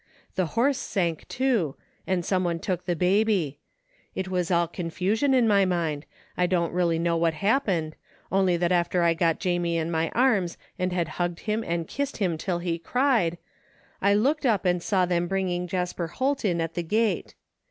The horse sank, too, and some one took the baby. It is all confusion in my mind. I don't really know what hap pened, only that after I got Jamie in my arms and had hugged him and kissed him till he cried, I looked 262 THE FINDING OF JASPER HOLT up and saw them bringing Jasper Holt in at the gate.